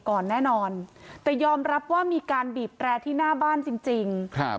ก่อนแน่นอนแต่ยอมรับว่ามีการบีบแตรที่หน้าบ้านจริงจริงครับ